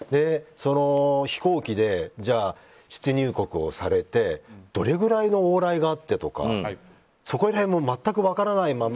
飛行機で出入国をされてどれぐらいの往来があってとかそこら辺も全く分からないまま。